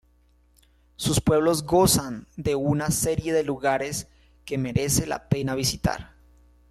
Sus pueblos gozan de una serie de lugares que merece la pena visitar.